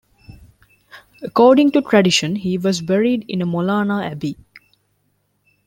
According to tradition he was buried in Molana Abbey.